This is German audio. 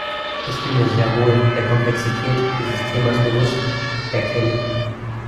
Ich bin mir sehr wohl der Komplexität dieses Themas bewusst, Herr Kelly.